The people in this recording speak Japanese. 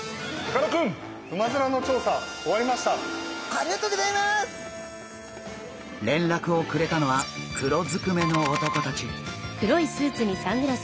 れんらくをくれたのは黒ずくめの男たち。